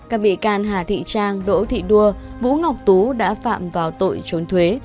các bị can hà thị trang đỗ thị đua vũ ngọc tú đã phạm vào tội trốn thuế